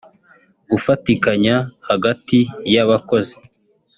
"Gufatikanya hagati y’abakozi